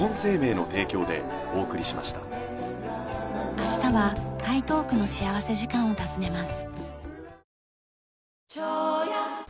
明日は台東区の幸福時間を訪ねます。